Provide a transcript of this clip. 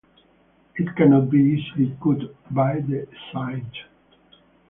It cannot be easily cut by the scythe.